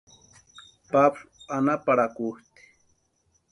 Pablu anhaparhakutʼi.